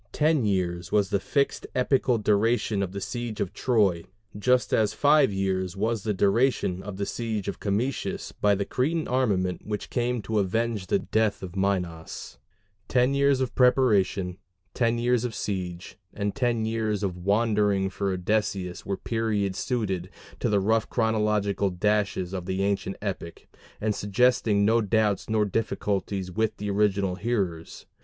Ten years was the fixed epical duration of the siege of Troy, just as five years was the duration of the siege of Camicus by the Cretan armament which came to avenge the death of Minos: ten years of preparation, ten years of siege, and ten years of wandering for Odysseus were periods suited to the rough chronological dashes of the ancient epic, and suggesting no doubts nor difficulties with the original hearers.